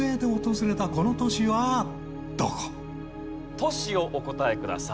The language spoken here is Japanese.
都市をお答えください。